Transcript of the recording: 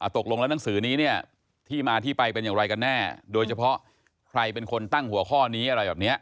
ตกลงแล้วหนังสือนี้เนี่ยที่มาที่ไปเป็นอย่างไรกันแน่โดยเฉพาะใครเป็นคนตั้งหัวข้อนี้อะไรแบบนี้